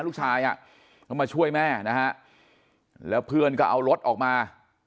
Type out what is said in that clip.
ลูกชายอ่ะเขามาช่วยแม่นะฮะแล้วเพื่อนก็เอารถออกมา